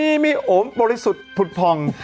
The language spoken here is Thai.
ไม่มีโอบริษุภุทธภอง